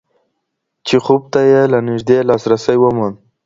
چیخوف ته یې له نږدې لاسرسی وموند.